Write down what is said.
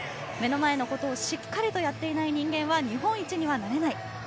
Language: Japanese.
目の前のことをしっかりとやっていない人間は日本一にはなれない。